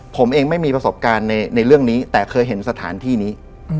ผมเองไม่มีประสบการณ์ในเรื่องนี้แต่เคยเห็นสถานที่นี้